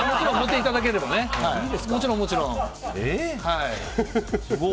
もちろん、もちろん。